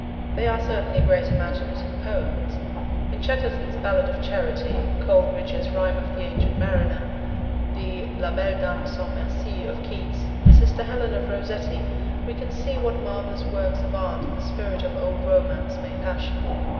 They are certainly great imaginative poems. In Chatterton's Ballad of Charity, Coleridge's Rhyme of the Ancient Mariner, the La Belle Dame sans Merci of Keats, the Sister Helen of Rossetti, we can see what marvellous works of art the spirit of old romance may fashion.